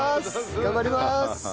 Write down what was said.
頑張ります！